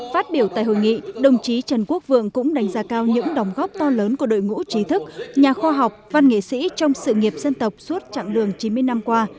phát biểu tại hội nghị đồng chí trần quốc vượng cũng đánh giá cao những đồng góp to lớn của đội ngũ trí thức nhà khoa học văn nghệ sĩ trong sự nghiệp dân tộc suốt chặng đường chín mươi năm qua